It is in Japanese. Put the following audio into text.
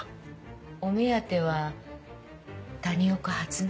お目当ては谷岡初音？